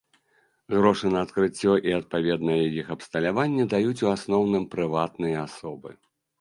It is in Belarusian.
Грошы на адкрыццё і адпаведнае іх абсталяванне даюць у асноўным прыватныя асобы.